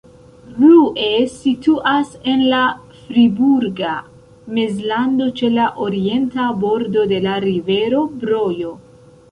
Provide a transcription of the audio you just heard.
Rue situas en la Friburga Mezlando ĉe la orienta bordo de la rivero Brojo.